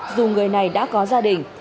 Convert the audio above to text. dù người này đã có gia đình